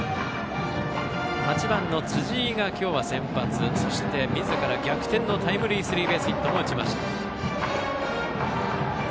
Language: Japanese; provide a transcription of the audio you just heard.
８番の辻井が今日は先発そしてみずから逆転のタイムリースリーベースヒットも打ちました。